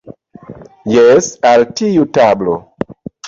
Jes, al tiu tablo.